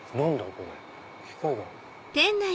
これ機械がある。